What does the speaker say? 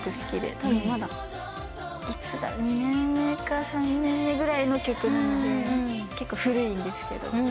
たぶんまだ２年目か３年目ぐらいの曲なので結構古いんですけど。